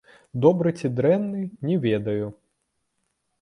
Добры ці дрэнны, не ведаю.